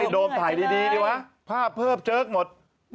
โดมถ่ายดีดีวะภาพเพิ่มเจิ๊กหมด